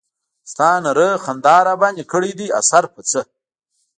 ستا نرۍ خندا راباندې کړے دے اثر پۀ څۀ